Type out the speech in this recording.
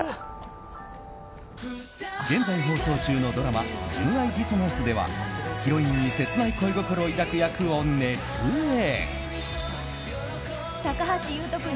現在放送中のドラマ「純愛ディソナンス」ではヒロインに切ない恋心を抱く役を熱演。